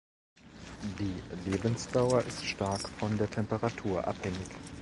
Die Lebensdauer ist stark von der Temperatur abhängig.